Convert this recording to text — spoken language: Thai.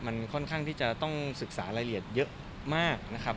มันค่อนข้างที่จะต้องศึกษารายละเอียดเยอะมากนะครับ